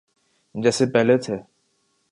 جیسے پہلے تھے۔